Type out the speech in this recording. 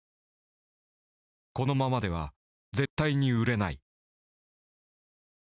「このままでは絶対に売れない」。